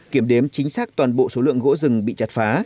kiểm đếm chính xác toàn bộ số lượng gỗ rừng bị chặt phá